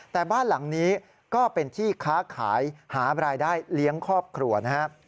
แต่บ้านหลังนี้ก็เป็นที่ค้าขายหารายได้เลี้ยงครอบครัวนะครับ